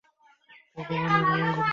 ভগবান ওর মঙ্গল করুক।